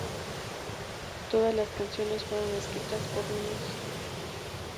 Todas las canciones fueron escritas por Neige.